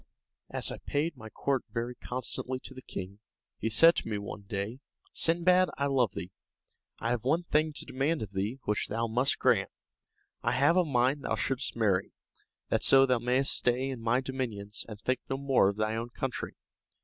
As I paid my court very constantly to the king, he said to me one day, "Sindbad, I love thee, I have one thing to demand of thee, which thou must grant. I have a mind thou shouldst marry, that so thou mayst stay in my dominions, and think no more of thy own country."